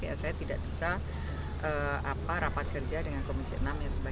ya saya tidak bisa rapat kerja dengan komisi enam dan sebagainya